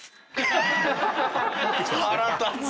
腹立つわ！